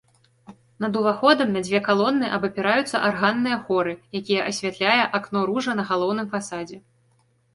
Над уваходам на дзве калоны абапіраюцца арганныя хоры, якія асвятляе акно-ружа на галоўным фасадзе.